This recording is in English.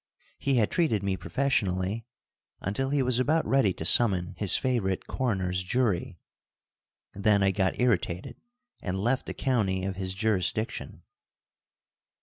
He had treated me professionally until he was about ready to summon his favorite coroner's jury. Then I got irritated and left the county of his jurisdiction.